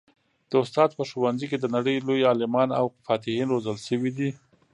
د استاد په ښوونځي کي د نړۍ لوی عالمان او فاتحین روزل سوي دي.